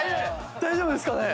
大丈夫ですかね